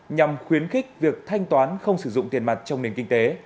nhằm khuyến khích việc thanh toán không sử dụng tiền mặt trong nền kinh tế